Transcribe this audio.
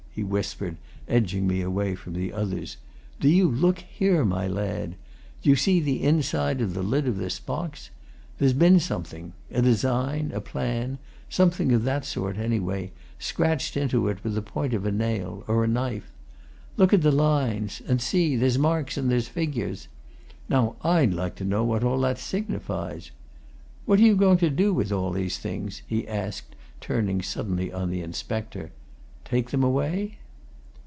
he whispered, edging me away from the others. "Do you look here, my lad! D'ye see the inside of the lid of this box? There's been something a design, a plan, something of that sort, anyway scratched into it with the point of a nail, or a knife. Look at the lines and see, there's marks and there's figures! Now I'd like to know what all that signifies? What are you going to do with all these things?" he asked, turning suddenly on the inspector. "Take them away?"